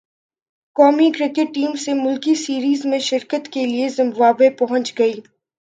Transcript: قومی cricket team سہ ملکی سیریز میں شرکت کے لیے زمبابوے پہنچ گئی